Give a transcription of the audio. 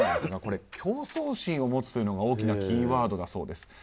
競争心を持つというのが大きなキーワードだそうです。